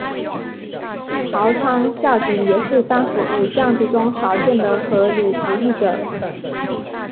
朝仓孝景也是当时武将之中少见的合理主义者。